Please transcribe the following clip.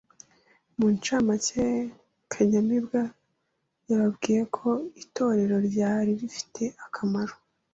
Mu nshamake Kanyamibwa yababwiye ko itorero ryari rifite akamaro